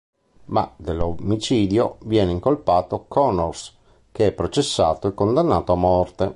Ma, dell'omicidio, viene incolpato Connors, che è processato e condannato a morte.